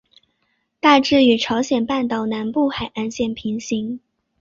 大致与朝鲜半岛南部海岸线平行。